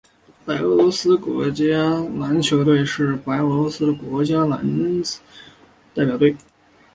白俄罗斯国家男子篮球队是白俄罗斯的国家男子篮球代表队。